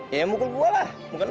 ya mungkul gue lah bukan lo